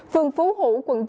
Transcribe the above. phương phú hữu quận chín